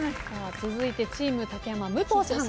続いてチーム竹山武藤さん。